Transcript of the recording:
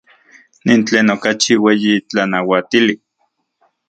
Nin tlen okachi ueyi tlanauatili.